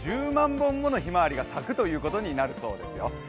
本ものひまわりが咲くということになるそうですよ。